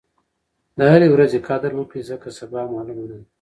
د هرې ورځې قدر وکړئ ځکه سبا معلومه نه ده.